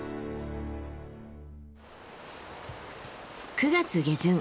９月下旬